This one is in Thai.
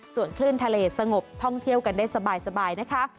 ส่วนคลื่นทะเลสงบท่องเที่ยวกันได้สบายนะคะ